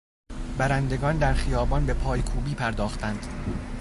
برندگان در خیابان به پایکوبی پرداختند.